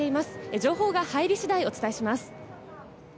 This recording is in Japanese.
情報が入り次第お伝えします。